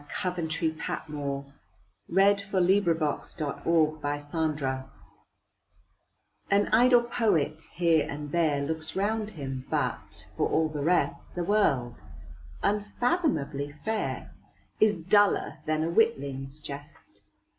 Coventry Patmore The Revelation AN idle poet, here and there, Looks round him, but, for all the rest, The world, unfathomably fair, Is duller than a witling's jest.